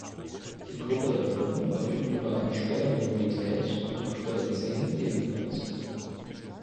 Die Gruppe der Fünf verfügt über eine Sperrminorität, und die Gruppe der Zehn ebenfalls.